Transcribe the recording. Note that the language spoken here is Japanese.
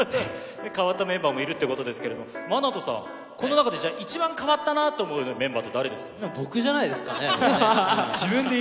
変わったメンバーもいるってことですけれども、ＭＡＮＡＴＯさん、この中でじゃあ、一番変わったなと思うメンバーって誰です僕じゃないですかね。